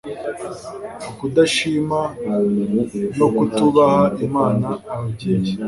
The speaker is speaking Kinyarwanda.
ukudashima no kutubaha Imana Ababyeyi